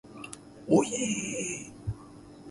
おおおいいいいいい